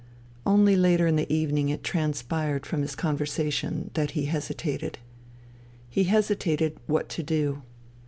. Only later in the evening it transpired from his conversation that he hesitated. He hesitated what to do.